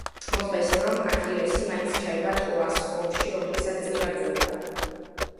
მოხდა ისე, რომ აქილევსი მაინც ჩაება ტროას ომში, რომელიც ათი წელი გაგრძელდა.